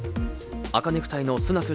赤ネクタイのスナク